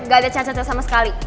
gak ada cacatnya sama sekali